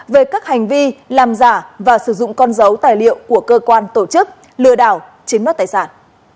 về các hành vi làm giả và sử dụng con dấu tài liệu của cơ quan tổ chức lừa đảo chiếm đoạt tài sản